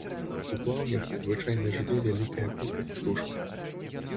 У плаўнях звычайна жыве вялікая колькасць птушак.